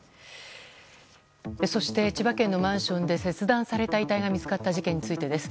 そして、千葉県のマンションで切断された遺体が見つかった事件についてです。